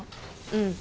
うん。